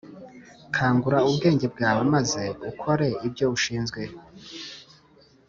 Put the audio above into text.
kangura ubwenge bwawe maze ukore ibyo ushinzwe